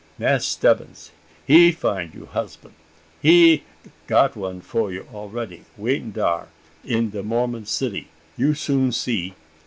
Mass' Stebbins he find you husban' he got one for you a'ready waitin' dar in de Mormon city; you soon see!